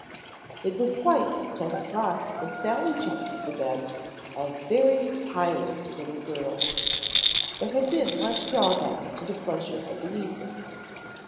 It was quite ten o'clock when Sally jumped into bed, a very tired little girl. There had been one drawback to the pleasure of the evening.